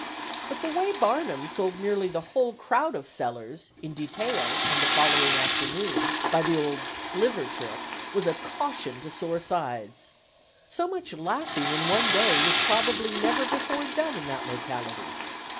But the way Barnum sold nearly the whole crowd of 'sellers,' in detail, on the following afternoon, by the old 'sliver trick,' was a caution to sore sides. So much laughing in one day was probably never before done in that locality.